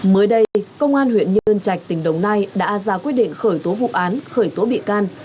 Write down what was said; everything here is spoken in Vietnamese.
mới đây công an huyện nhơn trạch tỉnh đồng nai đã ra quyết định khởi tố vụ án khởi tố bị can